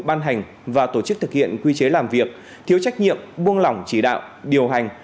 ban hành và tổ chức thực hiện quy chế làm việc thiếu trách nhiệm buông lỏng chỉ đạo điều hành